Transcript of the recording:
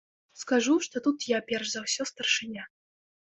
Скажу, што тут я перш за ўсё старшыня.